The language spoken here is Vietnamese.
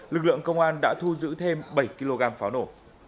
lực lượng công an đã thu giữ thêm bảy kg pháo nổ